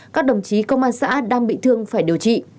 các đồng chí công an xã đang bị thương phải điều trị